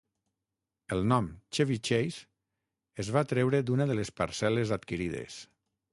El nom "Chevy Chase" es va treure d'una de les parcel·les adquirides.